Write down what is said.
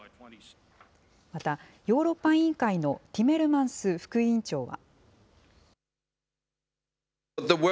また、ヨーロッパ委員会のティメルマンス副委員長は。